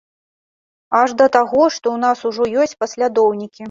Аж да таго, што ў нас ужо ёсць паслядоўнікі.